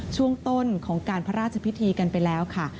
ช่วงต้นของการพระราชพิธีกันไปแล้วค่ะ